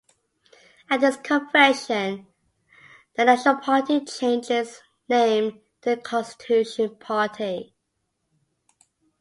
At this convention, the national party changed its name to the Constitution Party.